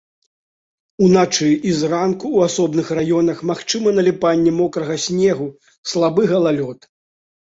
Уначы і зранку ў асобных раёнах магчыма наліпанне мокрага снегу, слабы галалёд.